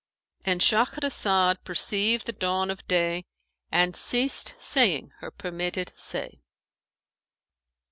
"—And Shahrazad perceived the dawn of day and ceased saying her permitted say.